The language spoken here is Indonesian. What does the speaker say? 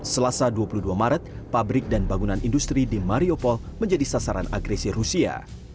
selasa dua puluh dua maret pabrik dan bangunan industri di mariupol menjadi sasaran agresi rusia